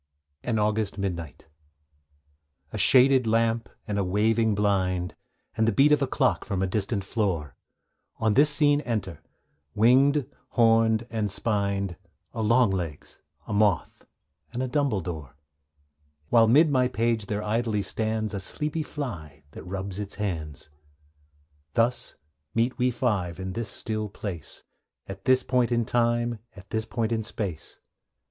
AN AUGUST MIDNIGHT A shaded lamp and a waving blind, And the beat of a clock from a distant floor; On this scene enter winged, horned, and spined A longlegs, a moth, and a dumbledore; While 'mid my page there idly stands A sleepy fly, that rubs its hands. Thus meet we five, in this still place, At this point of time, at this point in space.